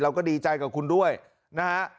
เราก็ดีใจกับคุณด้วยนะฮะ